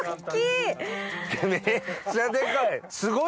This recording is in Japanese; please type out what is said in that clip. めっちゃデカい！